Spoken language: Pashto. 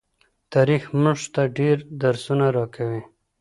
تاریخ مونږ ته ډیر درسونه راکوي.